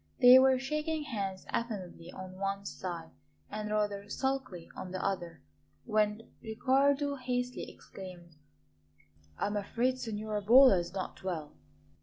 They were shaking hands, affably on the one side and rather sulkily on the other, when Riccardo hastily exclaimed: "I am afraid Signora Bolla is not well!"